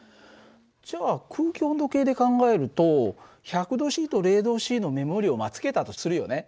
じゃあ空気温度計で考えると１００℃と０℃の目盛りをつけたとするよね。